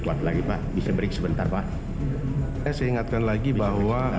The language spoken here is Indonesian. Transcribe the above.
kuat lagi pak bisa break sebentar pak saya seingatkan lagi bahwa